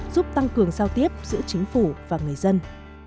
giúp tăng cường giao tiếp giữa chính phủ và người dân